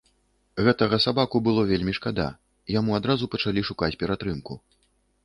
Гэтага сабаку было вельмі шкада, яму адразу пачалі шукаць ператрымку.